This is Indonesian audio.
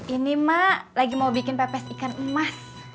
ini mak lagi mau bikin pepes ikan emas